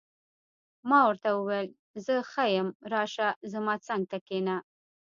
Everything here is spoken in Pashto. ما ورته وویل: زه ښه یم، راشه، زما څنګ ته کښېنه.